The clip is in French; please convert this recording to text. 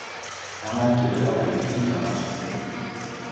Hermann Keller est le fils d'un architecte.